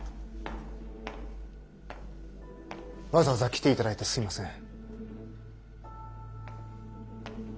わざわざ来ていただいてすみません。